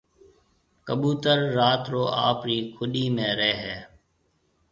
ڪٻُوتر رات رو آپرِي کُوڏِي ۾ رهيَ هيَ۔